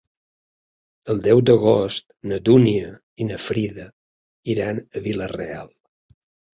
El deu d'agost na Dúnia i na Frida iran a Vila-real.